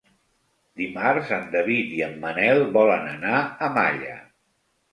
Dimarts en David i en Manel volen anar a Malla.